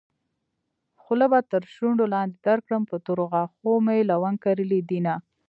خوله به تر شونډو لاندې درکړم په تورو غاښو مې لونګ کرلي دينه